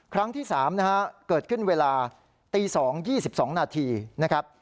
ครั้งที่๓นะฮะเกิดขึ้นเวลาตี๒๒นาทีนะครับ